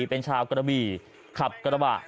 เป็นชาวกระบี่ขับกระบะ